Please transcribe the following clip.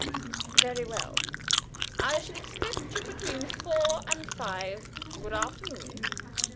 "Very well. I shall expect you between four and five. Good afternoon."